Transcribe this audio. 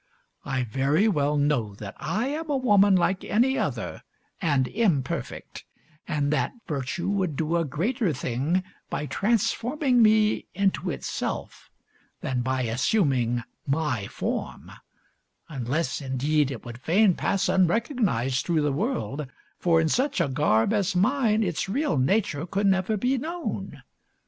I very well know that I am a woman like any other and imperfect, and that virtue would do a greater thing by transforming me into itself than by assuming my form unless, indeed, it would fain pass unrecognised through the world, for in such a garb as mine its real nature could never be known.